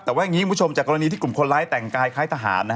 แต่ว่าอย่างนี้คุณผู้ชมจากกรณีที่กลุ่มคนร้ายแต่งกายคล้ายทหาร